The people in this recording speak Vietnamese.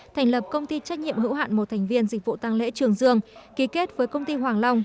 thành lập công ty trách nhiệm hữu hạn một thành viên dịch vụ tăng lễ trường dương ký kết với công ty hoàng long